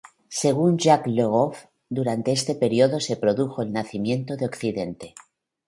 Según Jacques Le Goff durante este periodo se produjo el nacimiento de Occidente.